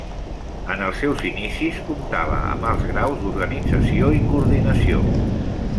En els seus inicis comptava amb alts graus d'organització i coordinació.